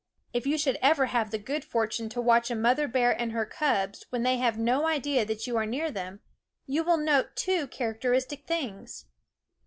If you should ever have the good fortune to watch a mother bear and her cubs when they have no idea that you are near them, you will note two characteristic things.